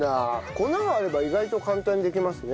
粉があれば意外と簡単にできますね。